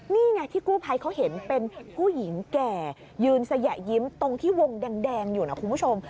นี่ไงที่กู้ภัยเขาเห็นเป็นผู้หญิงแก่ยืนสยะยิ้มตรงที่วงแดงอยู่นะคุณผู้ชม